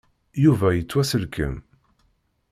Yuba yettwasselkem.